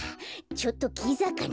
ちょっとキザかな？